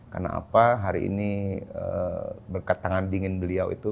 karena apa hari ini berkat tangan dingin beliau itu